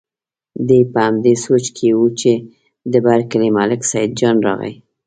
دی په همدې سوچ کې و چې د بر کلي ملک سیدجان راغی.